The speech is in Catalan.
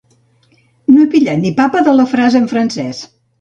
No he pillat ni papa de la frase en francès.